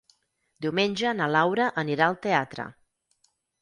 Diumenge na Laura anirà al teatre.